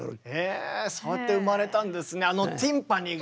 えぇそうやって生まれたんですね。